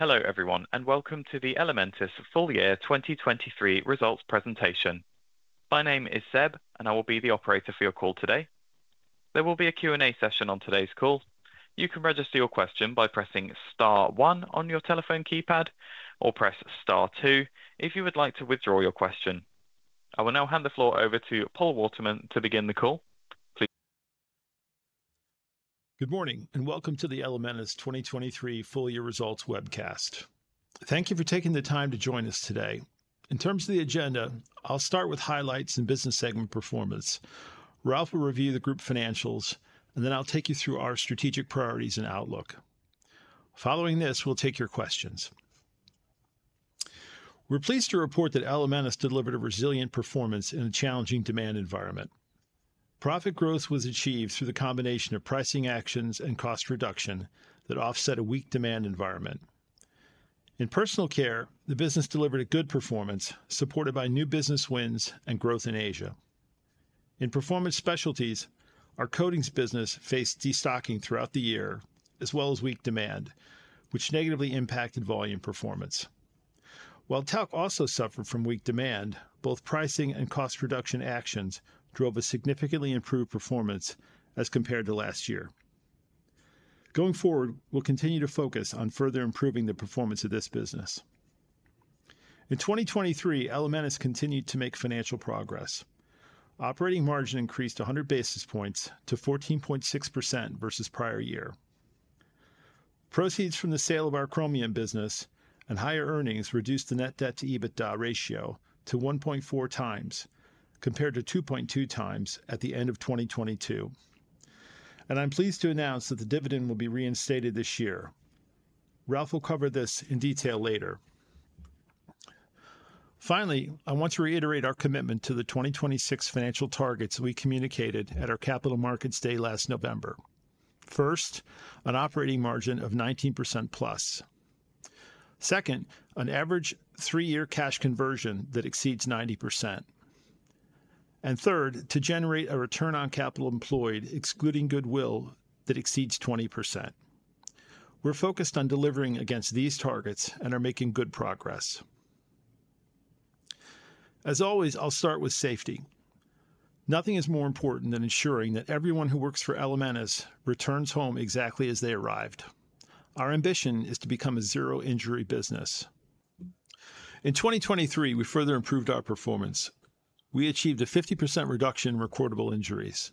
Hello everyone and welcome to the Elementis full year 2023 results presentation. My name is Seb and I will be the operator for your call today. There will be a Q&A session on today's call. You can register your question by pressing star one on your telephone keypad or press star two if you would like to withdraw your question. I will now hand the floor over to Paul Waterman to begin the call. Please. Good morning and welcome to the Elementis 2023 full year results webcast. Thank you for taking the time to join us today. In terms of the agenda, I'll start with highlights and business segment performance. Ralph will review the group financials and then I'll take you through our strategic priorities and outlook. Following this, we'll take your questions. We're pleased to report that Elementis delivered a resilient performance in a challenging demand environment. Profit growth was achieved through the combination of pricing actions and cost reduction that offset a weak demand environment. In personal care, the business delivered a good performance supported by new business wins and growth in Asia. In performance specialties, our coatings business faced destocking throughout the year as well as weak demand, which negatively impacted volume performance. While tech also suffered from weak demand, both pricing and cost reduction actions drove a significantly improved performance as compared to last year. Going forward, we'll continue to focus on further improving the performance of this business. In 2023, Elementis continued to make financial progress. Operating margin increased 100 basis points to 14.6% versus prior year. Proceeds from the sale of our chromium business and higher earnings reduced the net debt-to-EBITDA ratio to 1.4 times compared to 2.2 times at the end of 2022. I'm pleased to announce that the dividend will be reinstated this year. Ralph will cover this in detail later. Finally, I want to reiterate our commitment to the 2026 financial targets that we communicated at our Capital Markets Day last November. First, an operating margin of 19%+. Second, an average three-year cash conversion that exceeds 90%. Third, to generate a return on capital employed excluding goodwill that exceeds 20%. We're focused on delivering against these targets and are making good progress. As always, I'll start with safety. Nothing is more important than ensuring that everyone who works for Elementis returns home exactly as they arrived. Our ambition is to become a zero-injury business. In 2023, we further improved our performance. We achieved a 50% reduction in recordable injuries.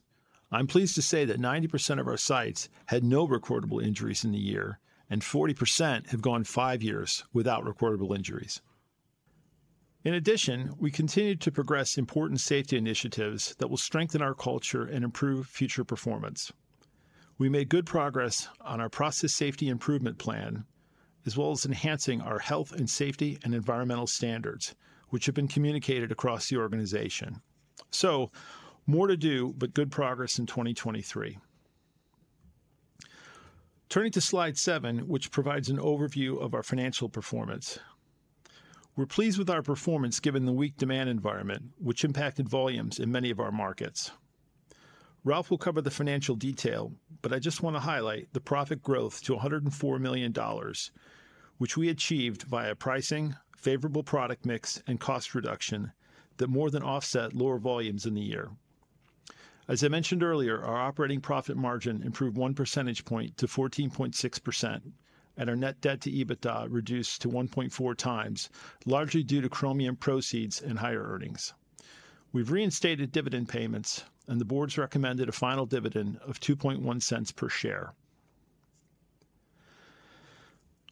I'm pleased to say that 90% of our sites had no recordable injuries in the year and 40% have gone five years without recordable injuries. In addition, we continue to progress important safety initiatives that will strengthen our culture and improve future performance. We made good progress on our process safety improvement plan as well as enhancing our health and safety and environmental standards, which have been communicated across the organization. So, more to do but good progress in 2023. Turning to Slide 7, which provides an overview of our financial performance. We're pleased with our performance given the weak demand environment, which impacted volumes in many of our markets. Ralph will cover the financial detail, but I just want to highlight the profit growth to $104 million, which we achieved via pricing, favorable product mix, and cost reduction that more than offset lower volumes in the year. As I mentioned earlier, our operating profit margin improved one percentage point to 14.6% and our net debt-to-EBITDA reduced to 1.4 times, largely due to chromium proceeds and higher earnings. We've reinstated dividend payments and the board's recommended a final dividend of $0.21 per share.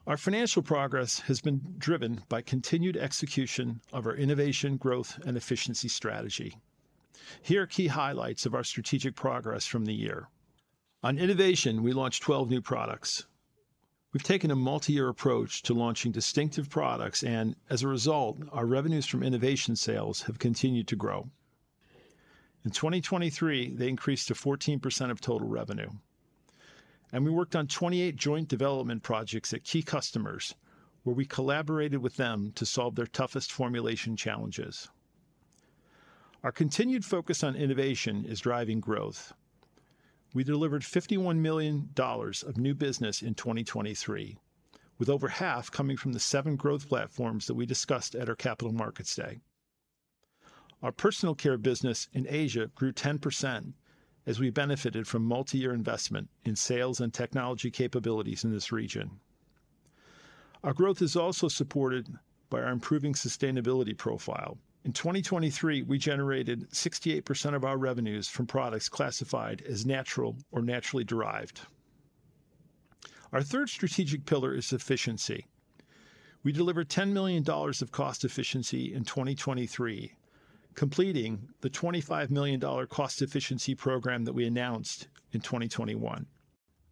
Our financial progress has been driven by continued execution of our innovation, growth, and efficiency strategy. Here are key highlights of our strategic progress from the year. On innovation, we launched 12 new products. We've taken a multi-year approach to launching distinctive products and, as a result, our revenues from innovation sales have continued to grow. In 2023, they increased to 14% of total revenue. We worked on 28 joint development projects at key customers where we collaborated with them to solve their toughest formulation challenges. Our continued focus on innovation is driving growth. We delivered $51 million of new business in 2023, with over half coming from the seven growth platforms that we discussed at our Capital Markets Day. Our personal care business in Asia grew 10% as we benefited from multi-year investment in sales and technology capabilities in this region. Our growth is also supported by our improving sustainability profile. In 2023, we generated 68% of our revenues from products classified as natural or naturally derived. Our third strategic pillar is efficiency. We delivered $10 million of cost efficiency in 2023, completing the $25 million cost efficiency program that we announced in 2021.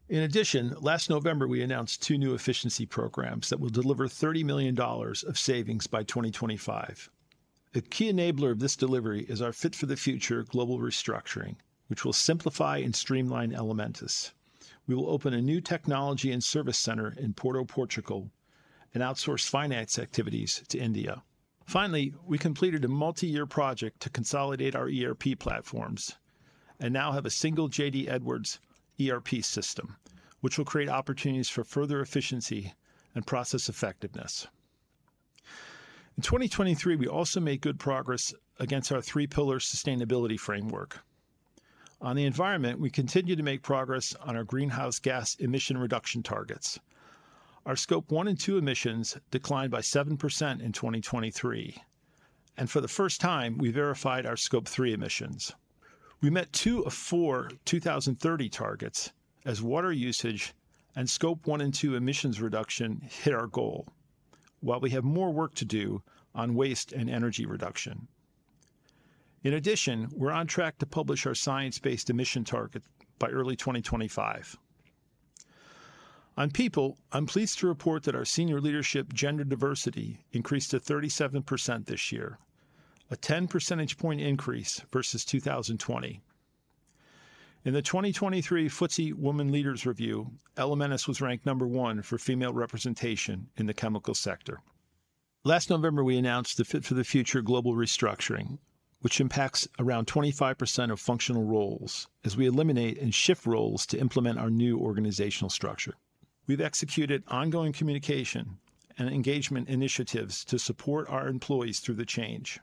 In addition, last November we announced two new efficiency programs that will deliver $30 million of savings by 2025. A key enabler of this delivery is our Fit for the Future global restructuring, which will simplify and streamline Elementis. We will open a new technology and service center in Porto, Portugal, and outsource finance activities to India. Finally, we completed a multi-year project to consolidate our ERP platforms and now have a single J.D. Edwards ERP system, which will create opportunities for further efficiency and process effectiveness. In 2023, we also made good progress against our three-pillar sustainability framework. On the environment, we continue to make progress on our greenhouse gas emission reduction targets. Our Scope 1 and 2 emissions declined by 7% in 2023. For the first time, we verified our Scope 3 emissions. We met two of four 2030 targets as water usage and Scope 1 and 2 emissions reduction hit our goal, while we have more work to do on waste and energy reduction. In addition, we're on track to publish our science-based emission targets by early 2025. On people, I'm pleased to report that our senior leadership gender diversity increased to 37% this year, a 10 percentage point increase versus 2020. In the 2023 FTSE Women Leaders Review, Elementis was ranked number one for female representation in the chemical sector. Last November we announced the Fit for the Future global restructuring, which impacts around 25% of functional roles as we eliminate and shift roles to implement our new organizational structure. We've executed ongoing communication and engagement initiatives to support our employees through the change.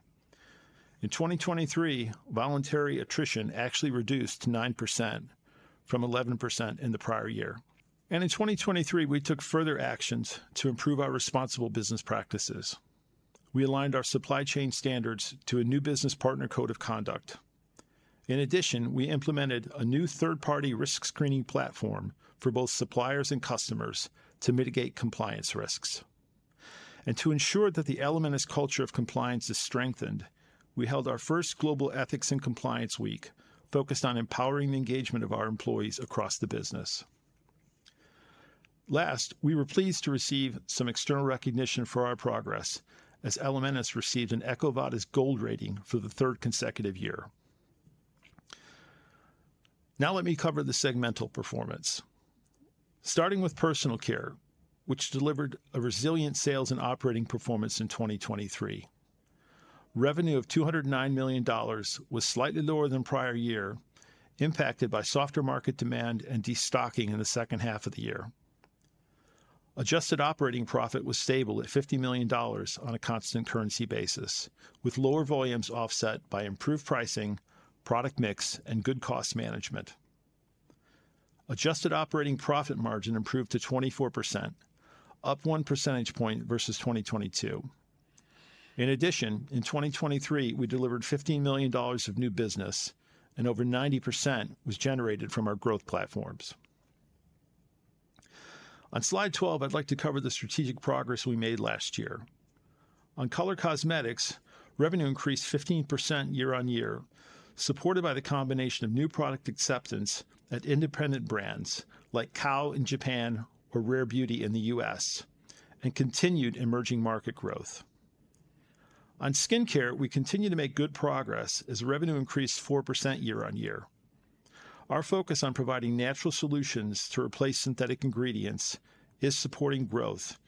In 2023, voluntary attrition actually reduced to 9% from 11% in the prior year. In 2023, we took further actions to improve our responsible business practices. We aligned our supply chain standards to a new business partner code of conduct. In addition, we implemented a new third-party risk screening platform for both suppliers and customers to mitigate compliance risks. To ensure that the Elementis culture of compliance is strengthened, we held our first global ethics and compliance week focused on empowering the engagement of our employees across the business. Last, we were pleased to receive some external recognition for our progress as Elementis received an EcoVadis Gold rating for the third consecutive year. Now let me cover the segmental performance. Starting with personal care, which delivered a resilient sales and operating performance in 2023. Revenue of $209 million was slightly lower than prior year, impacted by softer market demand and destocking in the second half of the year. Adjusted operating profit was stable at $50 million on a constant currency basis, with lower volumes offset by improved pricing, product mix, and good cost management. Adjusted operating profit margin improved to 24%, up one percentage point versus 2022. In addition, in 2023, we delivered $15 million of new business and over 90% was generated from our growth platforms. On Slide 12, I'd like to cover the strategic progress we made last year. On color cosmetics, revenue increased 15% year-on-year, supported by the combination of new product acceptance at independent brands like Kao in Japan or Rare Beauty in the U.S. and continued emerging market growth. On skincare, we continue to make good progress as revenue increased 4% year-on-year. Our focus on providing natural solutions to replace synthetic ingredients is supporting growth.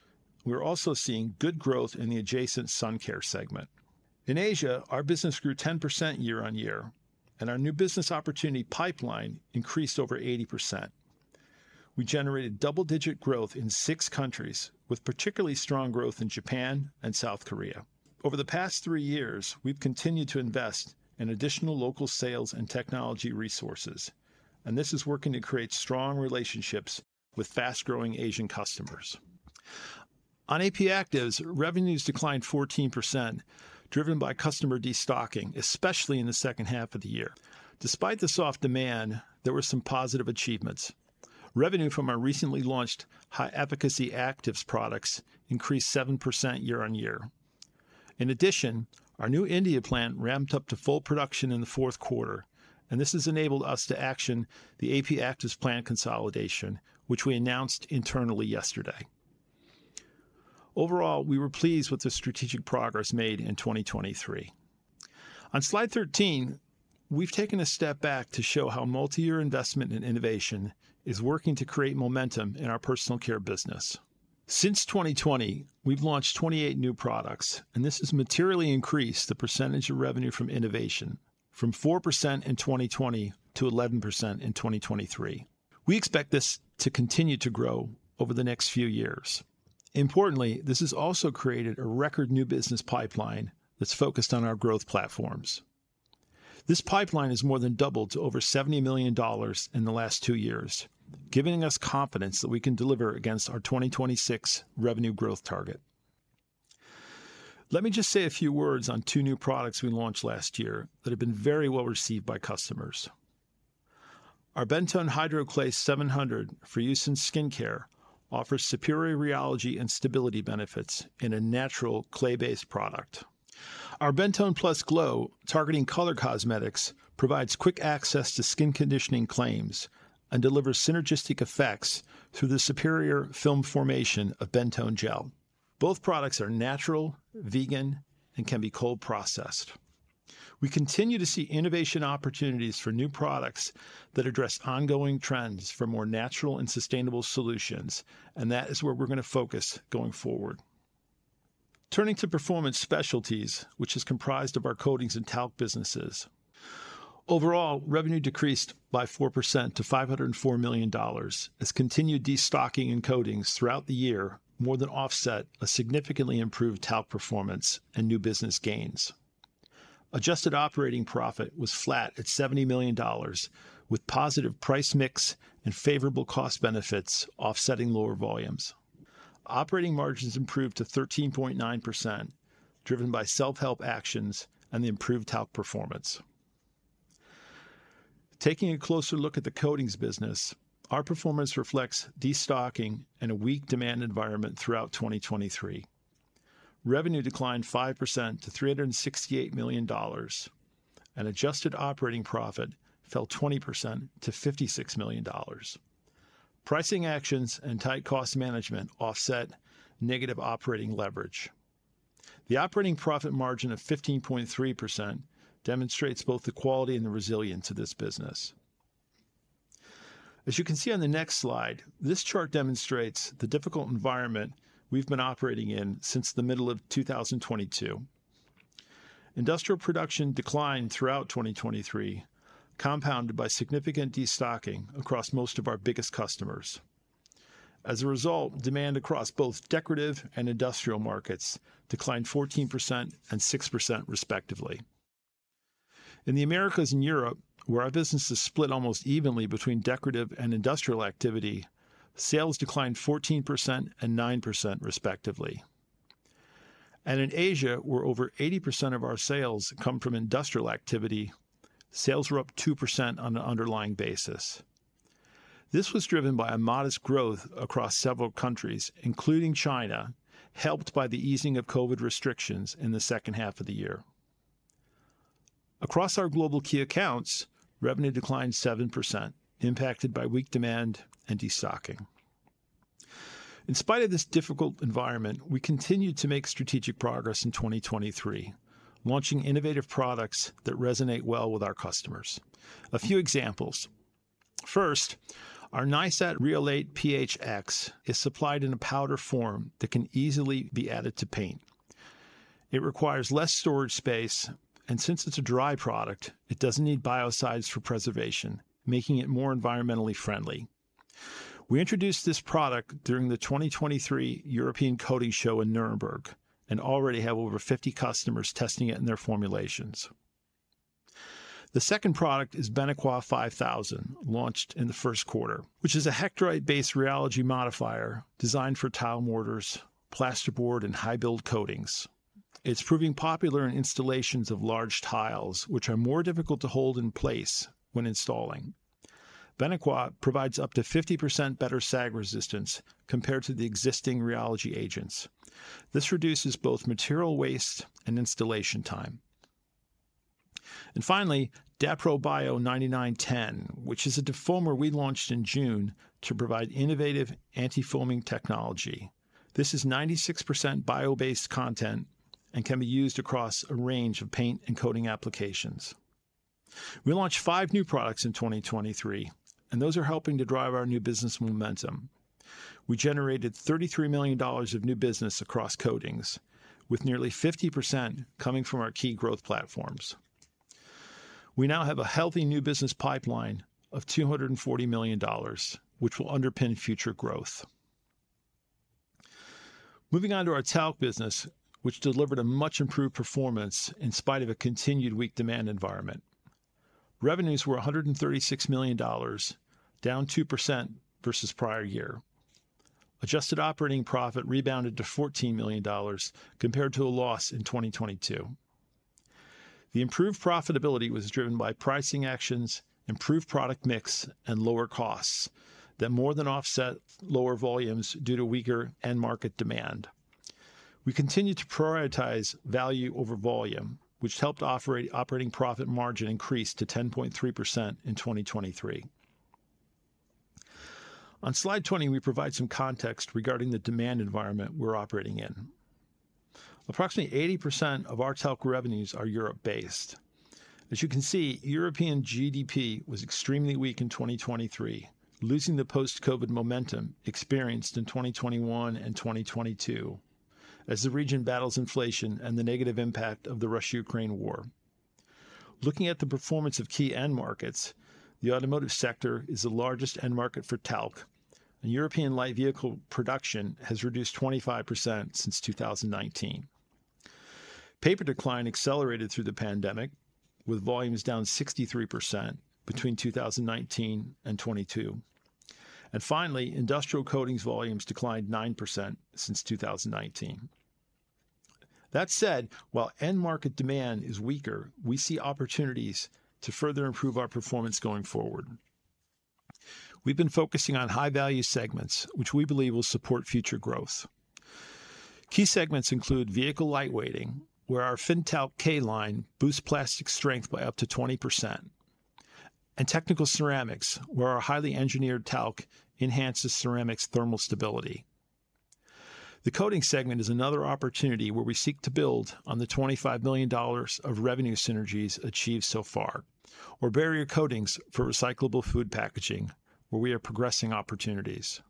We're also seeing good growth in the adjacent sun care segment. In Asia, our business grew 10% year-on-year and our new business opportunity pipeline increased over 80%. We generated double-digit growth in six countries, with particularly strong growth in Japan and South Korea. Over the past three years, we've continued to invest in additional local sales and technology resources, and this is working to create strong relationships with fast-growing Asian customers. On AP Actives, revenues declined 14%, driven by customer destocking, especially in the second half of the year. Despite the soft demand, there were some positive achievements. Revenue from our recently launched high-efficacy Actives products increased 7% year-on-year. In addition, our new India plant ramped up to full production in the fourth quarter, and this has enabled us to action the AP Actives plant consolidation, which we announced internally yesterday. Overall, we were pleased with the strategic progress made in 2023. On Slide 13, we've taken a step back to show how multi-year investment in innovation is working to create momentum in our personal care business. Since 2020, we've launched 28 new products, and this has materially increased the percentage of revenue from innovation from 4% in 2020 to 11% in 2023. We expect this to continue to grow over the next few years. Importantly, this has also created a record new business pipeline that's focused on our growth platforms. This pipeline has more than doubled to over $70 million in the last two years, giving us confidence that we can deliver against our 2026 revenue growth target. Let me just say a few words on two new products we launched last year that have been very well received by customers. Our BENTONE HYDROCLAY 700 for use in skincare offers superior rheology and stability benefits in a natural clay-based product. Our BENTONE PLUS GLOW, targeting color cosmetics, provides quick access to skin conditioning claims and delivers synergistic effects through the superior film formation of BENTONE GEL. Both products are natural, vegan, and can be cold processed. We continue to see innovation opportunities for new products that address ongoing trends for more natural and sustainable solutions, and that is where we're going to focus going forward. Turning to performance specialties, which is comprised of our coatings and talc businesses. Overall, revenue decreased by 4% to $504 million as continued destocking and coatings throughout the year more than offset a significantly improved talc performance and new business gains. Adjusted operating profit was flat at $70 million, with positive price mix and favorable cost benefits offsetting lower volumes. Operating margins improved to 13.9%, driven by self-help actions and the improved talc performance. Taking a closer look at the coatings business, our performance reflects destocking and a weak demand environment throughout 2023. Revenue declined 5% to $368 million, and adjusted operating profit fell 20% to $56 million. Pricing actions and tight cost management offset negative operating leverage. The operating profit margin of 15.3% demonstrates both the quality and the resilience of this business. As you can see on the next slide, this chart demonstrates the difficult environment we've been operating in since the middle of 2022. Industrial production declined throughout 2023, compounded by significant destocking across most of our biggest customers. As a result, demand across both decorative and industrial markets declined 14% and 6% respectively. In the Americas and Europe, where our businesses split almost evenly between decorative and industrial activity, sales declined 14% and 9% respectively. In Asia, where over 80% of our sales come from industrial activity, sales were up 2% on an underlying basis. This was driven by a modest growth across several countries, including China, helped by the easing of COVID restrictions in the second half of the year. Across our global key accounts, revenue declined 7%, impacted by weak demand and destocking. In spite of this difficult environment, we continued to make strategic progress in 2023, launching innovative products that resonate well with our customers. A few examples. First, our Rheolate PHX is supplied in a powder form that can easily be added to paint. It requires less storage space, and since it's a dry product, it doesn't need biocides for preservation, making it more environmentally friendly. We introduced this product during the 2023 European Coatings Show in Nuremberg and already have over 50 customers testing it in their formulations. The second product is BENAQUA 5000, launched in the first quarter, which is a Hectorite-based rheology modifier designed for tile mortars, plasterboard, and high-build coatings. It's proving popular in installations of large tiles, which are more difficult to hold in place when installing. BENAQUA provides up to 50% better sag resistance compared to the existing rheology agents. This reduces both material waste and installation time. Finally, DAPRO BIO 9910, which is a defoamer we launched in June to provide innovative anti-foaming technology. This is 96% bio-based content and can be used across a range of paint and coating applications. We launched five new products in 2023, and those are helping to drive our new business momentum. We generated $33 million of new business across coatings, with nearly 50% coming from our key growth platforms. We now have a healthy new business pipeline of $240 million, which will underpin future growth. Moving on to our talc business, which delivered a much improved performance in spite of a continued weak demand environment. Revenues were $136 million, down 2% versus prior year. Adjusted operating profit rebounded to $14 million compared to a loss in 2022. The improved profitability was driven by pricing actions, improved product mix, and lower costs that more than offset lower volumes due to weaker end-market demand. We continue to prioritize value over volume, which helped operating profit margin increase to 10.3% in 2023. On Slide 20, we provide some context regarding the demand environment we're operating in. Approximately 80% of our talc revenues are Europe-based. As you can see, European GDP was extremely weak in 2023, losing the post-COVID momentum experienced in 2021 and 2022 as the region battles inflation and the negative impact of the Russia-Ukraine war. Looking at the performance of key end markets, the automotive sector is the largest end market for talc, and European light vehicle production has reduced 25% since 2019. Paper decline accelerated through the pandemic, with volumes down 63% between 2019 and 2022. Finally, industrial coatings volumes declined 9% since 2019. That said, while end-market demand is weaker, we see opportunities to further improve our performance going forward. We've been focusing on high-value segments, which we believe will support future growth. Key segments include vehicle lightweighting, where our Finntalc K line boosts plastic strength by up to 20%, and technical ceramics, where our highly engineered talc enhances ceramics' thermal stability. The coatings segment is another opportunity where we seek to build on the $25 million of revenue synergies achieved so far, our barrier coatings for recyclable food packaging, where we are progressing opportunities.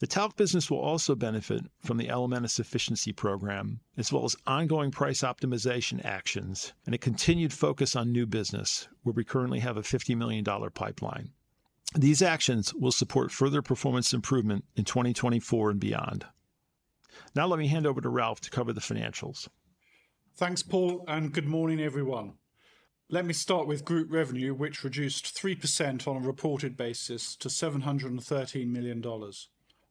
The talc business will also benefit from the Elementis Efficiency Program, as well as ongoing price optimization actions and a continued focus on new business, where we currently have a $50 million pipeline. These actions will support further performance improvement in 2024 and beyond. Now let me hand over to Ralph to cover the financials. Thanks, Paul, and good morning, everyone. Let me start with group revenue, which reduced 3% on a reported basis to $713 million.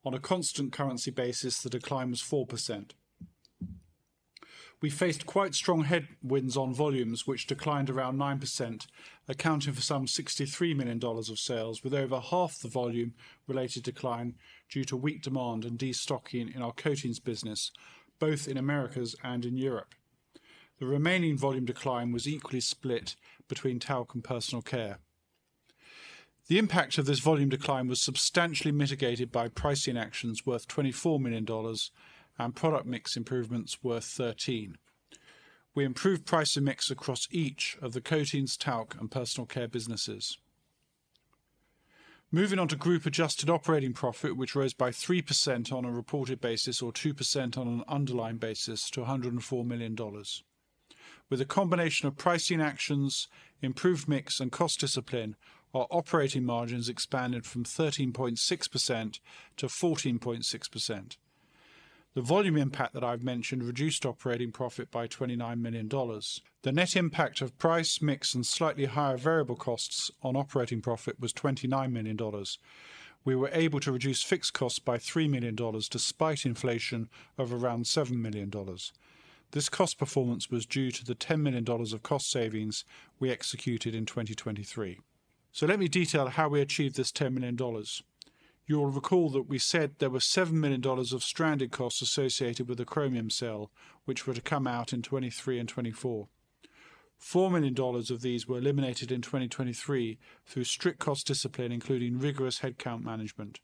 On a constant currency basis, the decline was 4%. We faced quite strong headwinds on volumes, which declined around 9%, accounting for some $63 million of sales, with over half the volume related decline due to weak demand and destocking in our coatings business, both in Americas and in Europe. The remaining volume decline was equally split between talc and personal care. The impact of this volume decline was substantially mitigated by pricing actions worth $24 million and product mix improvements worth $13 million. We improved pricing mix across each of the coatings, talc, and personal care businesses. Moving on to group adjusted operating profit, which rose by 3% on a reported basis or 2% on an underlying basis to $104 million. With a combination of pricing actions, improved mix, and cost discipline, our operating margins expanded from 13.6% to 14.6%. The volume impact that I've mentioned reduced operating profit by $29 million. The net impact of price mix and slightly higher variable costs on operating profit was $29 million. We were able to reduce fixed costs by $3 million despite inflation of around $7 million. This cost performance was due to the $10 million of cost savings we executed in 2023. Let me detail how we achieved this $10 million. You'll recall that we said there were $7 million of stranded costs associated with a chromium cell, which were to come out in 2023 and 2024. $4 million of these were eliminated in 2023 through strict cost discipline, including rigorous headcount management.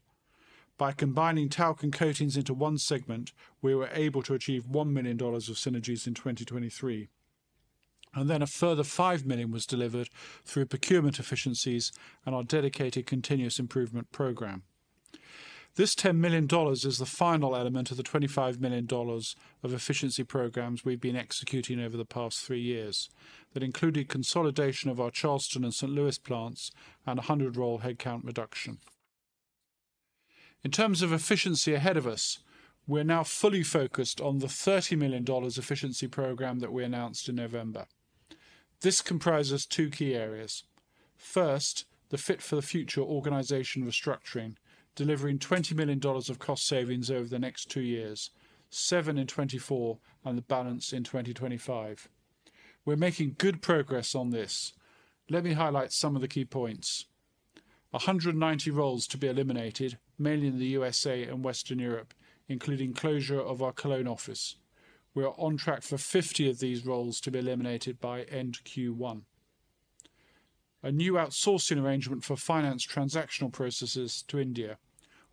By combining talc and coatings into one segment, we were able to achieve $1 million of synergies in 2023. Then a further $5 million was delivered through procurement efficiencies and our dedicated continuous improvement program. This $10 million is the final element of the $25 million of efficiency programs we've been executing over the past three years that included consolidation of our Charleston and St. Louis plants and a 100-role headcount reduction. In terms of efficiency ahead of us, we're now fully focused on the $30 million efficiency program that we announced in November. This comprises two key areas. First, the Fit for the Future organization restructuring, delivering $20 million of cost savings over the next two years, $7 million in 2024 and the balance in 2025. We're making good progress on this. Let me highlight some of the key points. 190 roles to be eliminated, mainly in the USA and Western Europe, including closure of our Cologne office. We are on track for 50 of these roles to be eliminated by end Q1. A new outsourcing arrangement for finance transactional processes to India.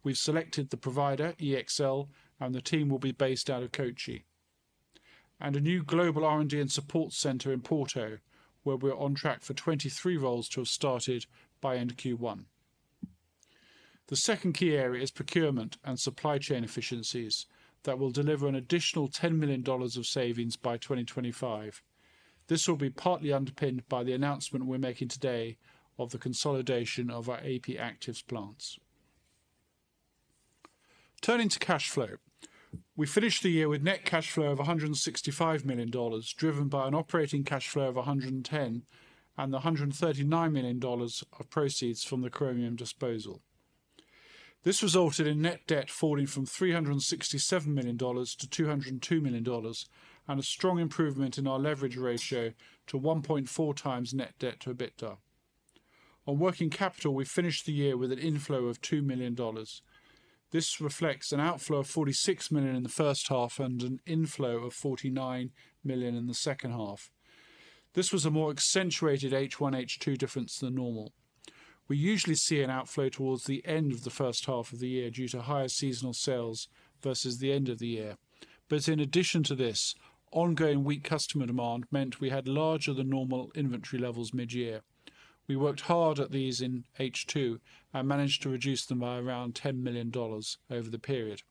We've selected the provider EXL, and the team will be based out of Kochi. A new global R&D and support center in Porto, where we're on track for 23 roles to have started by end Q1. The second key area is procurement and supply chain efficiencies that will deliver an additional $10 million of savings by 2025. This will be partly underpinned by the announcement we're making today of the consolidation of our AP Actives plants. Turning to cash flow. We finished the year with net cash flow of $165 million, driven by an operating cash flow of $110 million and the $139 million of proceeds from the chromium disposal. This resulted in net debt falling from $367 million to $202 million, and a strong improvement in our leverage ratio to 1.4 times net debt to EBITDA. On working capital, we finished the year with an inflow of $2 million. This reflects an outflow of $46 million in the first half and an inflow of $49 million in the second half. This was a more accentuated H1/H2 difference than normal. We usually see an outflow towards the end of the first half of the year due to higher seasonal sales versus the end of the year, but in addition to this, ongoing weak customer demand meant we had larger-than-normal inventory levels mid-year. We worked hard at these in H2 and managed to reduce them by around $10 million over the period.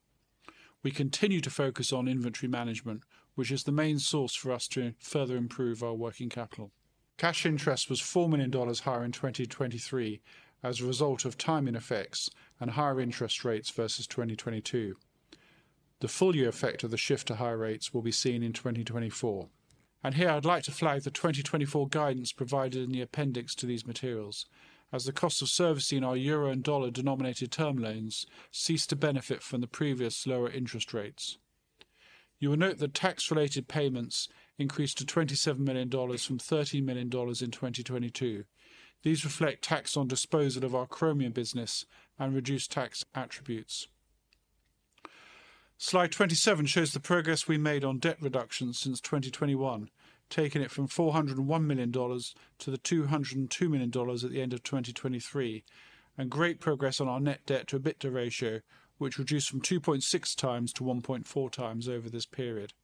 We continue to focus on inventory management, which is the main source for us to further improve our working capital. Cash interest was $4 million higher in 2023 as a result of timing effects and higher interest rates versus 2022. The full-year effect of the shift to high rates will be seen in 2024. Here I'd like to flag the 2024 guidance provided in the appendix to these materials, as the cost of servicing our euro and dollar denominated term loans ceased to benefit from the previous lower interest rates. You will note that tax-related payments increased to $27 million from $30 million in 2022. These reflect tax on disposal of our chromium business and reduced tax attributes. Slide 27 shows the progress we made on debt reduction since 2021, taking it from $401 million to the $202 million at the end of 2023, and great progress on our net debt to EBITDA ratio, which reduced from 2.6 times to 1.4 times over this period.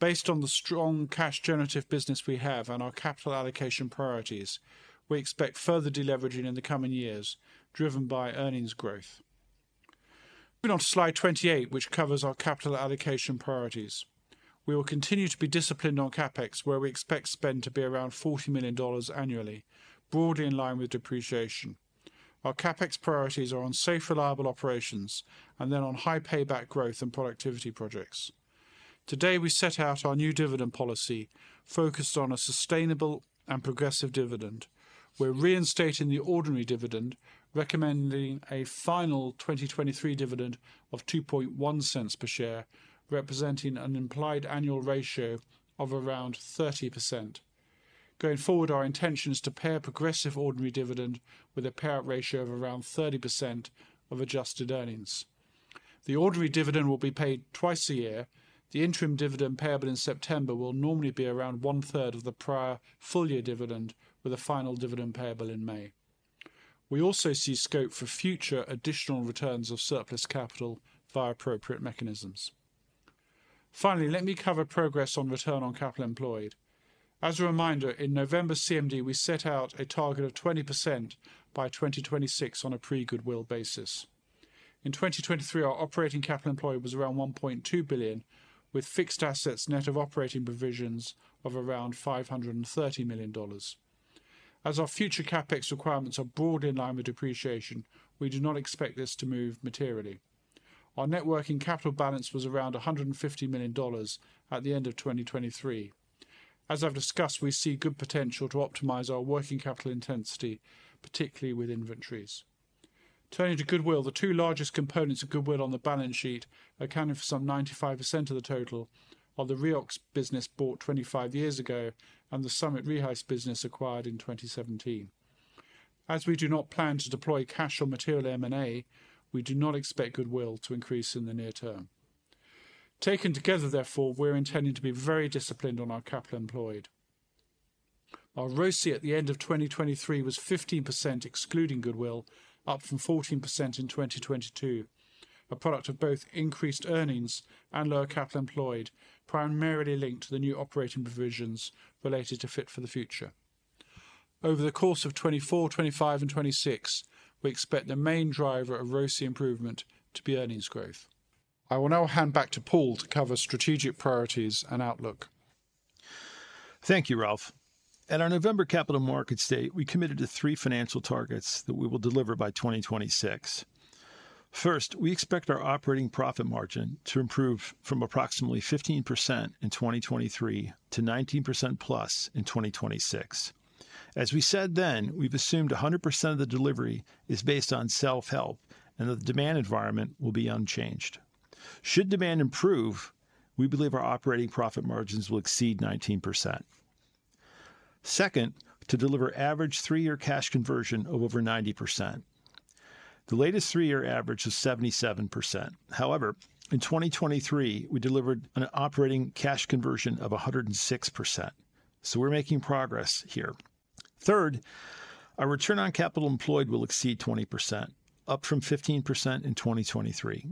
Based on the strong cash-generative business we have and our capital allocation priorities, we expect further deleveraging in the coming years, driven by earnings growth. Moving on to Slide 28, which covers our capital allocation priorities. We will continue to be disciplined on CapEx, where we expect spend to be around $40 million annually, broadly in line with depreciation. Our CapEx priorities are on safe, reliable operations, and then on high-payback growth and productivity projects. Today, we set out our new dividend policy, focused on a sustainable and progressive dividend. We're reinstating the ordinary dividend, recommending a final 2023 dividend of $0.021 per share, representing an implied annual ratio of around 30%. Going forward, our intention is to pair progressive ordinary dividend with a payout ratio of around 30% of adjusted earnings. The ordinary dividend will be paid twice a year. The interim dividend payable in September will normally be around one-third of the prior full-year dividend, with a final dividend payable in May. We also see scope for future additional returns of surplus capital via appropriate mechanisms. Finally, let me cover progress on return on capital employed. As a reminder, in November CMD, we set out a target of 20% by 2026 on a pre-goodwill basis. In 2023, our operating capital employed was around $1.2 billion, with fixed assets net of operating provisions of around $530 million. As our future CapEx requirements are broadly in line with depreciation, we do not expect this to move materially. Our net working capital balance was around $150 million at the end of 2023. As I've discussed, we see good potential to optimize our working capital intensity, particularly with inventories. Turning to goodwill, the two largest components of goodwill on the balance sheet accounting for some 95% of the total are the Rheox business bought 25 years ago and the SummitReheis business acquired in 2017. As we do not plan to deploy cash or material M&A, we do not expect goodwill to increase in the near term. Taken together, therefore, we're intending to be very disciplined on our capital employed. Our ROCE at the end of 2023 was 15% excluding goodwill, up from 14% in 2022, a product of both increased earnings and lower capital employed, primarily linked to the new operating provisions related to Fit for the Future. Over the course of 2024, 2025, and 2026, we expect the main driver of ROCE improvement to be earnings growth. I will now hand back to Paul to cover strategic priorities and outlook. Thank you, Ralph. At our November Capital Markets Day, we committed to three financial targets that we will deliver by 2026. First, we expect our operating profit margin to improve from approximately 15% in 2023 to 19%+ in 2026. As we said then, we've assumed 100% of the delivery is based on self-help and that the demand environment will be unchanged. Should demand improve, we believe our operating profit margins will exceed 19%. Second, to deliver average three-year cash conversion of over 90%. The latest three-year average was 77%. However, in 2023, we delivered an operating cash conversion of 106%, so we're making progress here. Third, our return on capital employed will exceed 20%, up from 15% in 2023.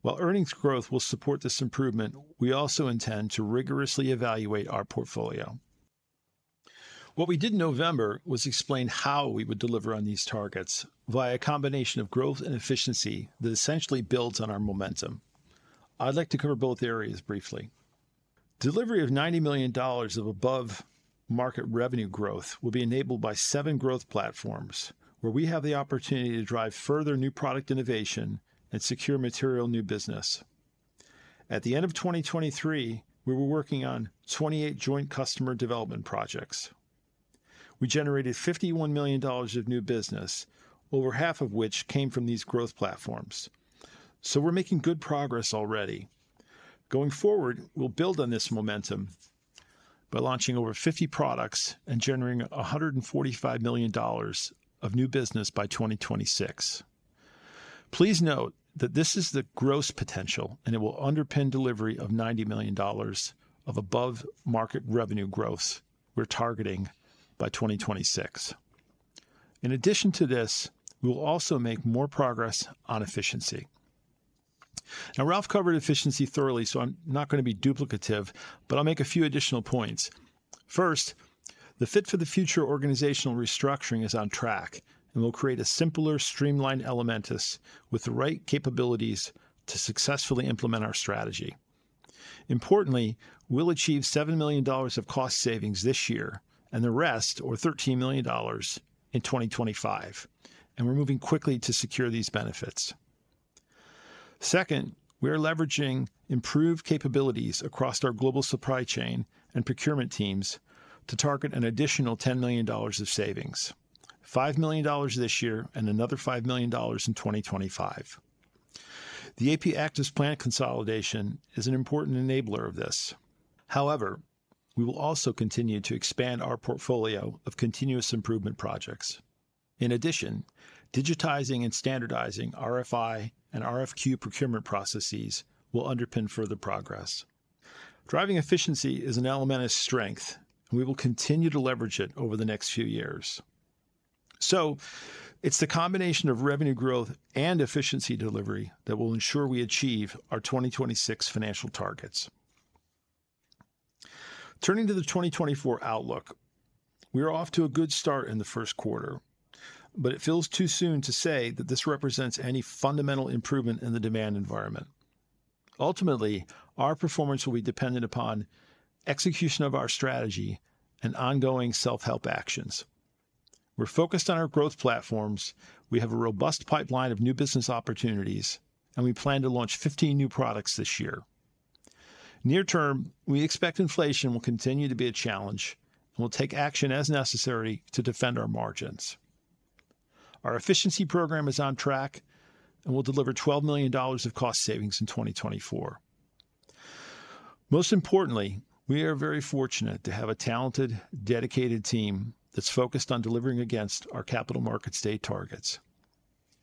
While earnings growth will support this improvement, we also intend to rigorously evaluate our portfolio. What we did in November was explain how we would deliver on these targets via a combination of growth and efficiency that essentially builds on our momentum. I'd like to cover both areas briefly. Delivery of $90 million of above-market revenue growth will be enabled by seven growth platforms, where we have the opportunity to drive further new product innovation and secure material new business. At the end of 2023, we were working on 28 joint customer development projects. We generated $51 million of new business, over half of which came from these growth platforms. So we're making good progress already. Going forward, we'll build on this momentum by launching over 50 products and generating $145 million of new business by 2026. Please note that this is the gross potential, and it will underpin delivery of $90 million of above-market revenue growth we're targeting by 2026. In addition to this, we will also make more progress on efficiency. Now, Ralph covered efficiency thoroughly, so I'm not going to be duplicative, but I'll make a few additional points. First, the Fit for the Future organizational restructuring is on track, and we'll create a simpler, streamlined Elementis with the right capabilities to successfully implement our strategy. Importantly, we'll achieve $7 million of cost savings this year and the rest, or $13 million, in 2025, and we're moving quickly to secure these benefits. Second, we're leveraging improved capabilities across our global supply chain and procurement teams to target an additional $10 million of savings: $5 million this year and another $5 million in 2025. The AP Actives plant consolidation is an important enabler of this. However, we will also continue to expand our portfolio of continuous improvement projects. In addition, digitizing and standardizing RFI and RFQ procurement processes will underpin further progress. Driving efficiency is an Elementis strength, and we will continue to leverage it over the next few years. So it's the combination of revenue growth and efficiency delivery that will ensure we achieve our 2026 financial targets. Turning to the 2024 outlook, we're off to a good start in the first quarter, but it feels too soon to say that this represents any fundamental improvement in the demand environment. Ultimately, our performance will be dependent upon execution of our strategy and ongoing self-help actions. We're focused on our growth platforms. We have a robust pipeline of new business opportunities, and we plan to launch 15 new products this year. Near term, we expect inflation will continue to be a challenge and will take action as necessary to defend our margins. Our efficiency program is on track and will deliver $12 million of cost savings in 2024. Most importantly, we are very fortunate to have a talented, dedicated team that's focused on delivering against our Capital Markets Day targets.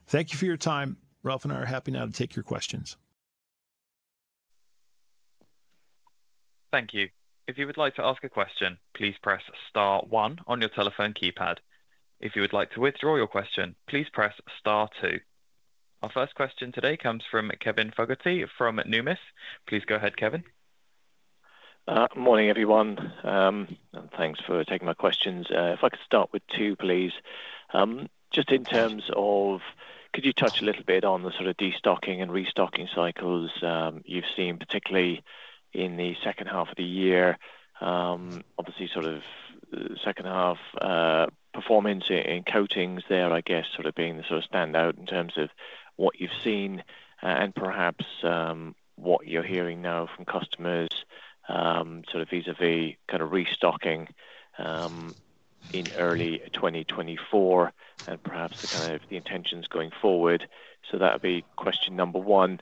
Thank you for your time. Ralph and I are happy now to take your questions. Thank you. If you would like to ask a question, please press star one on your telephone keypad. If you would like to withdraw your question, please press star two. Our first question today comes from Kevin Fogarty from Numis. Please go ahead, Kevin. Morning, everyone, and thanks for taking my questions. If I could start with two, please. Just in terms of, could you touch a little bit on the sort of destocking and restocking cycles you've seen, particularly in the second half of the year? Obviously, sort of second half performance in coatings there, I guess, sort of being the sort of standout in terms of what you've seen and perhaps what you're hearing now from customers vis-à-vis kind of restocking in early 2024 and perhaps the kind of the intentions going forward. So that would be question number one.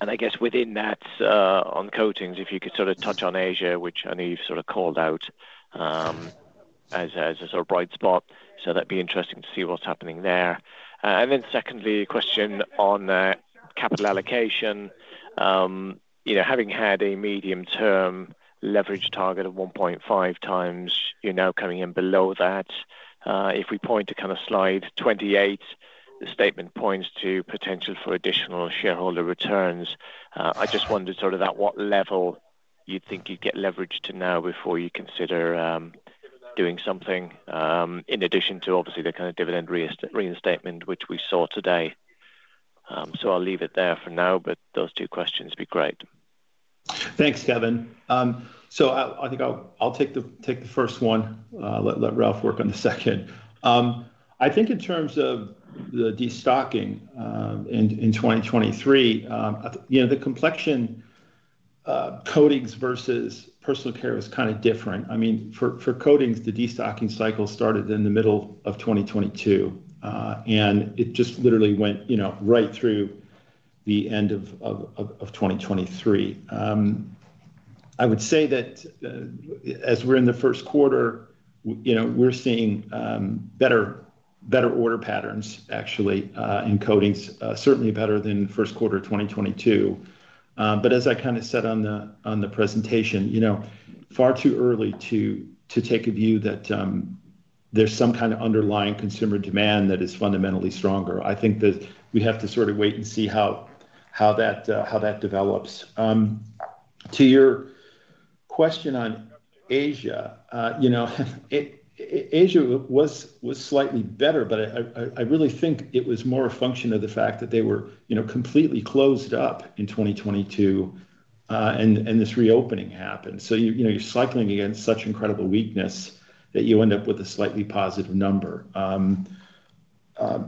I guess within that, on coatings, if you could sort of touch on Asia, which I know you've sort of called out as a sort of bright spot, so that'd be interesting to see what's happening there. Then secondly, a question on capital allocation. Having had a medium-term leverage target of 1.5x, you're now coming in below that. If we point to kind of Slide 28, the statement points to potential for additional shareholder returns. I just wondered sort of at what level you'd think you'd get leveraged to now before you consider doing something in addition to, obviously, the kind of dividend reinstatement, which we saw today. So I'll leave it there for now, but those two questions would be great. Thanks, Kevin. So I think I'll take the first one. Let Ralph work on the second. I think in terms of the destocking in 2023, the performance coatings versus personal care was kind of different. I mean, for coatings, the destocking cycle started in the middle of 2022, and it just literally went right through the end of 2023. I would say that as we're in the first quarter, we're seeing better order patterns, actually, in coatings, certainly better than first quarter 2022. But as I kind of said on the presentation, far too early to take a view that there's some kind of underlying consumer demand that is fundamentally stronger. I think that we have to sort of wait and see how that develops. To your question on Asia, Asia was slightly better, but I really think it was more a function of the fact that they were completely closed up in 2022, and this reopening happened. So you're cycling against such incredible weakness that you end up with a slightly positive number,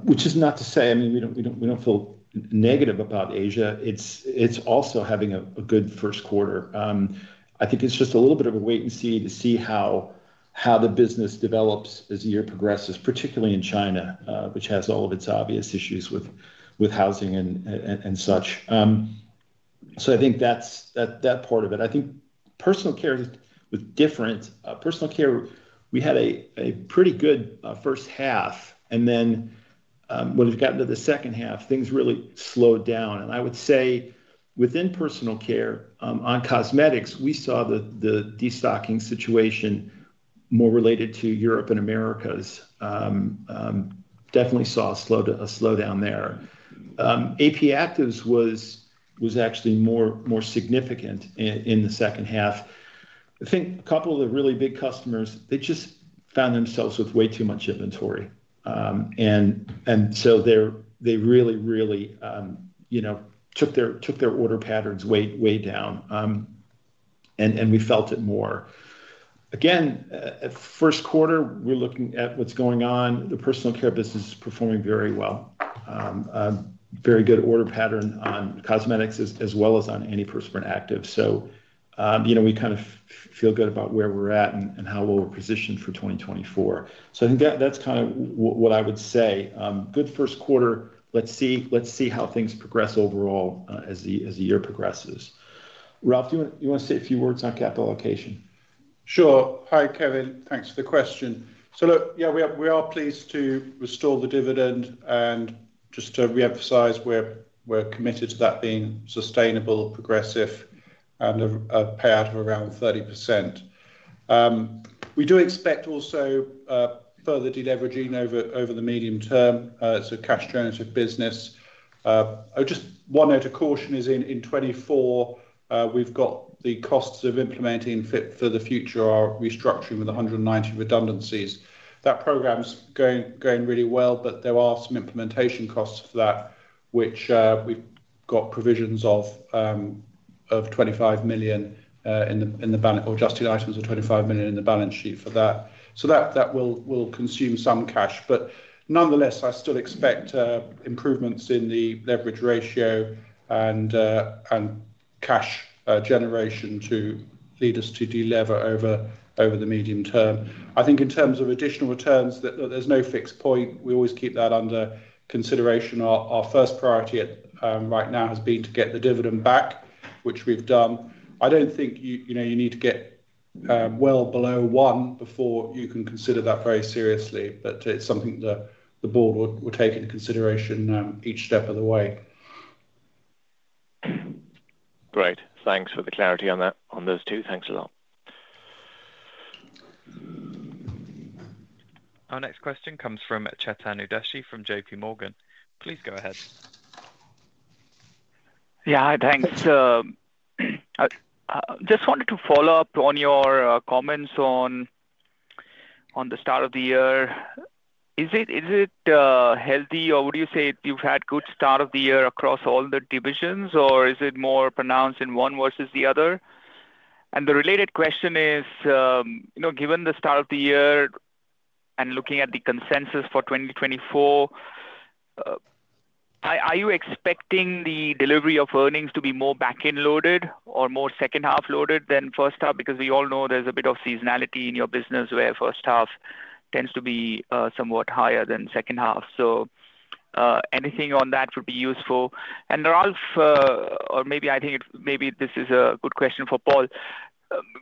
which is not to say, I mean, we don't feel negative about Asia. It's also having a good first quarter. I think it's just a little bit of a wait and see to see how the business develops as the year progresses, particularly in China, which has all of its obvious issues with housing and such. So I think that's that part of it. I think personal care was different. Personal care, we had a pretty good first half, and then when we got into the second half, things really slowed down. I would say within personal care, on cosmetics, we saw the destocking situation more related to Europe and Americas, definitely saw a slowdown there. AP Actives was actually more significant in the second half. I think a couple of the really big customers, they just found themselves with way too much inventory. So they really, really took their order patterns way down, and we felt it more. Again, first quarter, we're looking at what's going on. The personal care business is performing very well, very good order pattern on cosmetics as well as on antiperspirant actives. So we kind of feel good about where we're at and how well we're positioned for 2024. So I think that's kind of what I would say. Good first quarter. Let's see how things progress overall as the year progresses. Ralph, do you want to say a few words on capital allocation? Sure. Hi, Kevin. Thanks for the question. So look, yeah, we are pleased to restore the dividend, and just to reemphasize, we're committed to that being sustainable, progressive, and a payout of around 30%. We do expect also further deleveraging over the medium term. It's a cash-generative business. Just one note of caution is in 2024, we've got the costs of implementing Fit for the Future, our restructuring with 190 redundancies. That program's going really well, but there are some implementation costs for that, which we've got provisions of $25 million in the or adjusting items of $25 million in the balance sheet for that. So that will consume some cash. But nonetheless, I still expect improvements in the leverage ratio and cash generation to lead us to delever over the medium term. I think in terms of additional returns, there's no fixed point. We always keep that under consideration. Our first priority right now has been to get the dividend back, which we've done. I don't think you need to get well below one before you can consider that very seriously, but it's something that the board will take into consideration each step of the way. Great. Thanks for the clarity on those two. Thanks a lot. Our next question comes from Chetan Udeshi from J.P. Morgan. Please go ahead. Yeah, hi, thanks. I just wanted to follow up on your comments on the start of the year. Is it healthy, or would you say you've had good start of the year across all the divisions, or is it more pronounced in one versus the other? And the related question is, given the start of the year and looking at the consensus for 2024, are you expecting the delivery of earnings to be more back-end loaded or more second-half loaded than first half? Because we all know there's a bit of seasonality in your business where first half tends to be somewhat higher than second half. So anything on that would be useful. And Ralph, or maybe I think maybe this is a good question for Paul.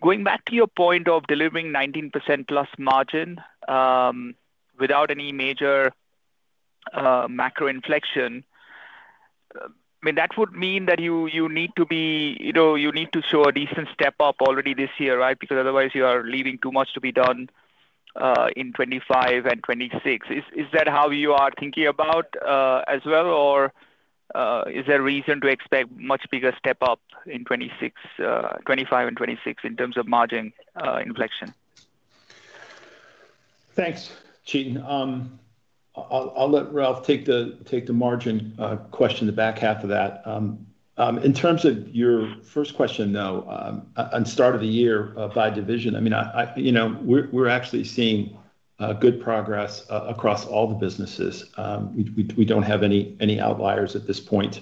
Going back to your point of delivering 19%+ margin without any major macro inflection, I mean, that would mean that you need to be you need to show a decent step up already this year, right? Because otherwise, you are leaving too much to be done in 2025 and 2026. Is that how you are thinking about as well, or is there reason to expect much bigger step up in 2025 and 2026 in terms of margin inflection? Thanks, Chetan. I'll let Ralph take the margin question, the back half of that. In terms of your first question, though, on start of the year by division, I mean, we're actually seeing good progress across all the businesses. We don't have any outliers at this point.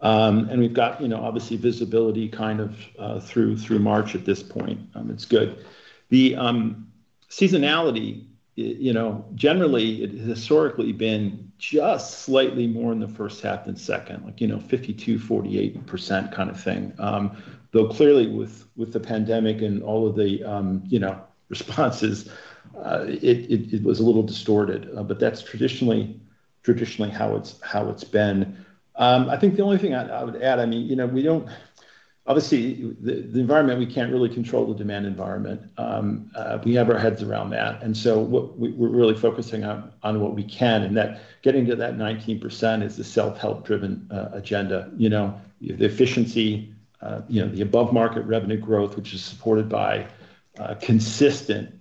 And we've got, obviously, visibility kind of through March at this point. It's good. The seasonality, generally, it has historically been just slightly more in the first half than second, like 52% to 48% kind of thing. Though clearly, with the pandemic and all of the responses, it was a little distorted. But that's traditionally how it's been. I think the only thing I would add, I mean, we don't obviously, the environment, we can't really control the demand environment. We have our heads around that. And so we're really focusing on what we can, and that getting to that 19% is a self-help-driven agenda. The efficiency, the above-market revenue growth, which is supported by consistent,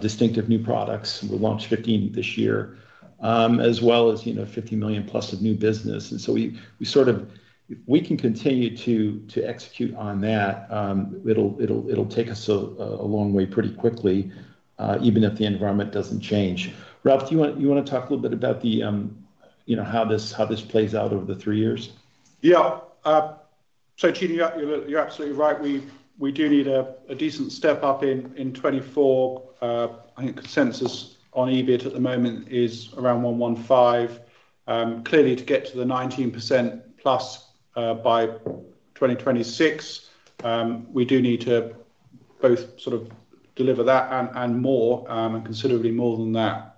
distinctive new products. We'll launch 15 this year, as well as $50+ million of new business. And so we sort of if we can continue to execute on that, it'll take us a long way pretty quickly, even if the environment doesn't change. Ralph, do you want to talk a little bit about how this plays out over the three years? Yeah. So Chetan, you're absolutely right. We do need a decent step up in 2024. I think consensus on EBIT at the moment is around $115 million. Clearly, to get to the 19%+ by 2026, we do need to both sort of deliver that and more, and considerably more than that.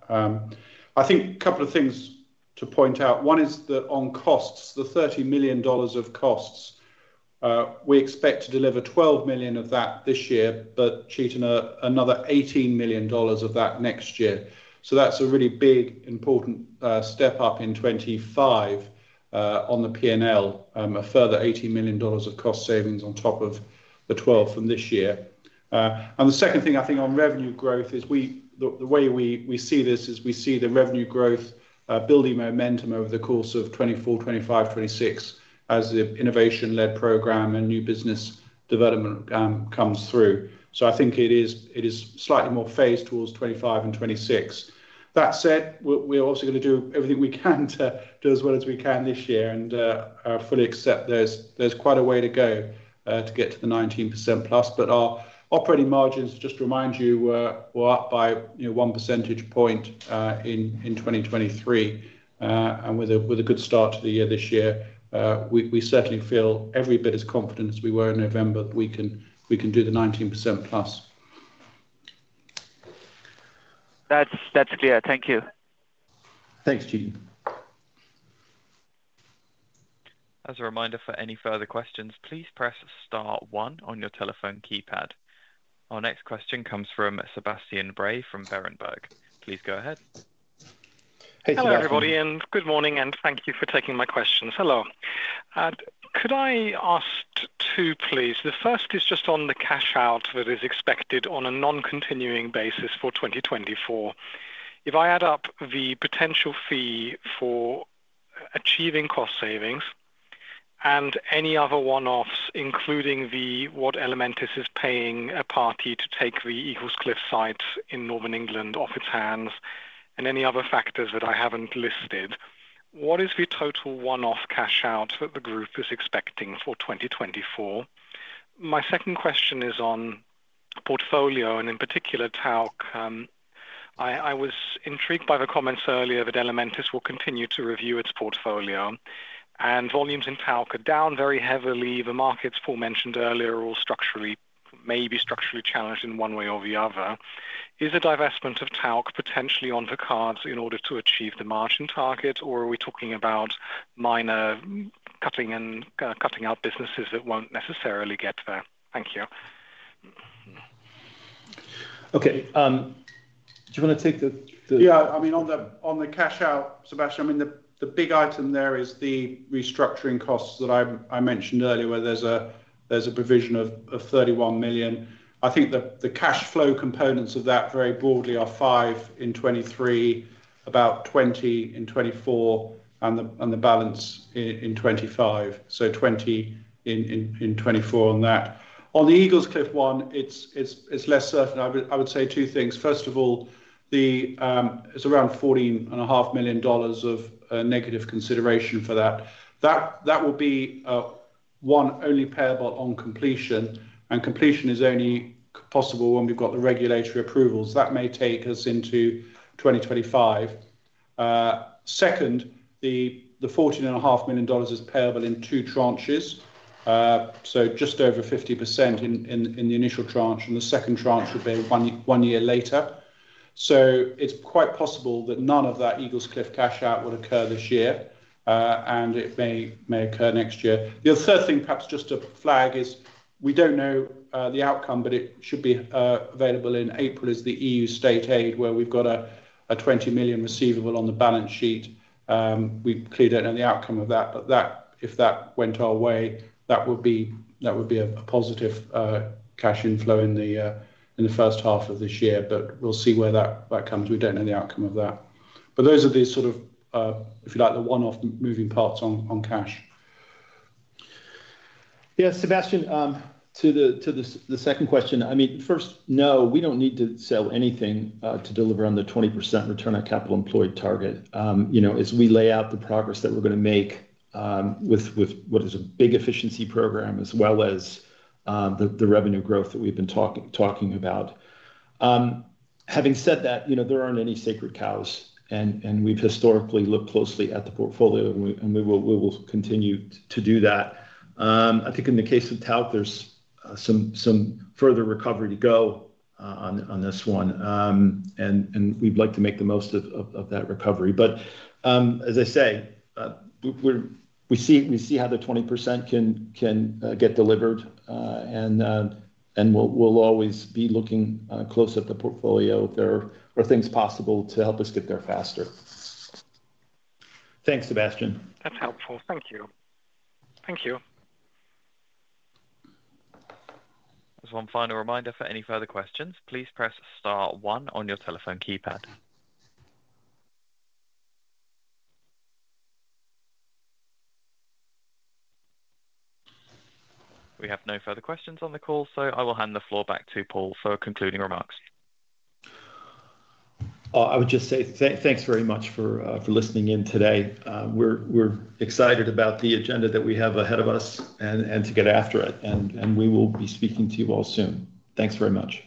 I think a couple of things to point out. One is the on costs, the $30 million of costs. We expect to deliver $12 million of that this year, but Chetan, another $18 million of that next year. So that's a really big, important step up in 2025 on the P&L, a further $18 million of cost savings on top of the $12 million from this year. The second thing, I think, on revenue growth is the way we see this is we see the revenue growth building momentum over the course of 2024, 2025, 2026 as the innovation-led program and new business development comes through. I think it is slightly more phased towards 2025 and 2026. That said, we're obviously going to do everything we can to do as well as we can this year and fully accept there's quite a way to go to get to the 19%+. Our operating margins, just to remind you, were up by one percentage point in 2023. With a good start to the year this year, we certainly feel every bit as confident as we were in November that we can do the 19%+. That's clear. Thank you. Thanks, Chetan. As a reminder for any further questions, please press star one on your telephone keypad. Our next question comes from Sebastian Bray from Berenberg. Please go ahead. Hey, Sebastian. Hello, everybody, and good morning, and thank you for taking my questions. Hello. Could I ask two, please? The first is just on the cash out that is expected on a non-continuing basis for 2024. If I add up the potential fee for achieving cost savings and any other one-offs, including what Elementis is paying a party to take the Eaglescliffe site in Northern England off its hands and any other factors that I haven't listed, what is the total one-off cash out that the group is expecting for 2024? My second question is on portfolio and in particular, TALC. I was intrigued by the comments earlier that Elementis will continue to review its portfolio, and volumes in TALC are down very heavily. The markets Paul mentioned earlier are all maybe structurally challenged in one way or the other. Is a divestment of talc potentially on the cards in order to achieve the margin target, or are we talking about minor cutting out businesses that won't necessarily get there? Thank you. Okay. Do you want to take the? Yeah, I mean, on the cash out, Sebastian, I mean, the big item there is the restructuring costs that I mentioned earlier, where there's a provision of $31 million. I think the cash flow components of that, very broadly, are $5 million in 2023, about $20 million in 2024, and the balance in 2025, so $20 million in 2024 on that. On the Eaglescliffe one, it's less certain. I would say two things. First of all, it's around $14.5 million of negative consideration for that. That will be one only payable on completion, and completion is only possible when we've got the regulatory approvals. That may take us into 2025. Second, the $14.5 million is payable in two tranches, so just over 50% in the initial tranche, and the second tranche would be one year later. So it's quite possible that none of that Eaglescliffe cash out would occur this year, and it may occur next year. The other third thing, perhaps just to flag, is we don't know the outcome, but it should be available in April as the EU state aid, where we've got a $20 million receivable on the balance sheet. We clearly don't know the outcome of that, but if that went our way, that would be a positive cash inflow in the first half of this year. But we'll see where that comes. We don't know the outcome of that. But those are the sort of, if you like, the one-off moving parts on cash. Yeah, Sebastian, to the second question, I mean, first, no, we don't need to sell anything to deliver on the 20% return on capital employed target. As we lay out the progress that we're going to make with what is a big efficiency program as well as the revenue growth that we've been talking about. Having said that, there aren't any sacred cows, and we've historically looked closely at the portfolio, and we will continue to do that. I think in the case of talc, there's some further recovery to go on this one, and we'd like to make the most of that recovery. But as I say, we see how the 20% can get delivered, and we'll always be looking close at the portfolio if there are things possible to help us get there faster. Thanks, Sebastian. That's helpful. Thank you. Thank you. As one final reminder for any further questions, please press star one on your telephone keypad. We have no further questions on the call, so I will hand the floor back to Paul for concluding remarks. I would just say thanks very much for listening in today. We're excited about the agenda that we have ahead of us and to get after it, and we will be speaking to you all soon. Thanks very much.